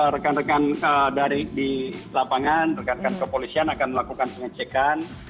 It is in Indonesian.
rekan rekan dari di lapangan rekan rekan kepolisian akan melakukan pengecekan